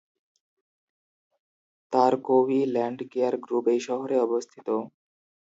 তারকোউই land care group এই শহরে অবস্থিত।